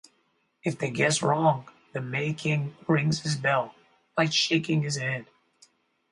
If they guess wrong, the May King rings his bell by shaking his head.